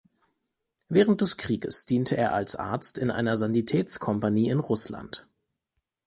Während des Krieges diente er als Arzt in einer Sanitäts-Kompanie in Russland.